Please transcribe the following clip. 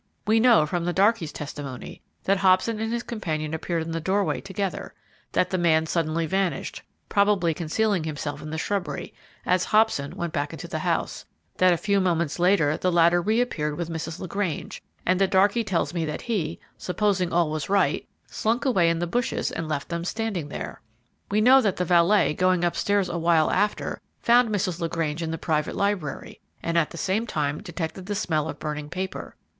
We know, from the darkey's testimony, that Hobson and his companion appeared in the doorway together; that the man suddenly vanished probably concealing himself in the shrubbery as Hobson went back into the house; that a few moments later, the latter reappeared with Mrs. LaGrange; and the darkey tells me that he, supposing all was right, slunk away in the bushes and left them standing there. We know that the valet, going up stairs a while after, found Mrs. LaGrange in the private library, and at the same time detected the smell of burning paper.